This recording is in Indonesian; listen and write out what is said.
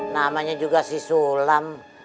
namanya juga si sulam